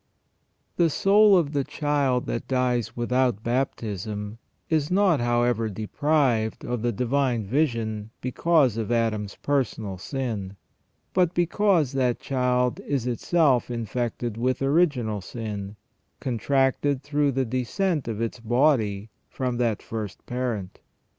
The soul of the child that dies without baptism is not, however, deprived of the divine vision because of Adam's personal sin, but because that child is itself infected with original sin, contracted through the descent of its body from that first parent.